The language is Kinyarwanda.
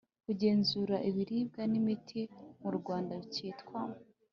kugenzura ibiribwa n imiti mu Rwanda cyitwa